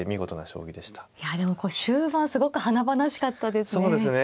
いやでも終盤すごく華々しかったですね。